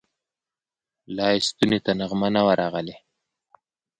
لا یې ستوني ته نغمه نه وه راغلې